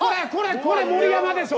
これ、盛山でしょう。